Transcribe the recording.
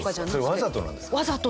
それわざとなんですか？